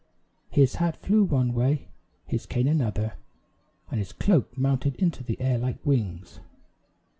His hat flew one way, his cane another, and his cloak mounted into the air like wings.